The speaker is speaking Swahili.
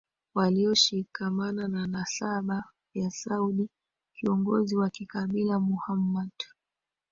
walioshikamana na nasaba ya Saud kiongozi wa kikabila Muhammad